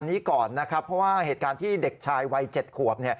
นี้ก่อนนะครับเพราะว่าเหตุการณ์ที่เด็กชายวัย๗ขวบ